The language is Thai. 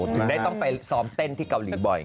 ถึงได้ต้องไปซ้อมเต้นที่เกาหลีบ่อย